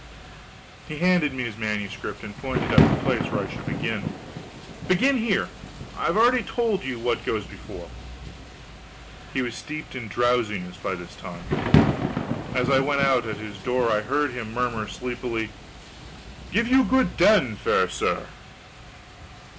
He handed me his manuscript, and pointed out the place where I should begin: "Begin here I've already told you what goes before." He was steeped in drowsiness by this time. As I went out at his door I heard him murmur sleepily: "Give you good den, fair sir."